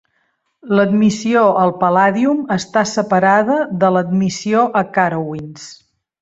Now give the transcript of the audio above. L"admissió al Paladium està separada de l"admissió a Carowinds.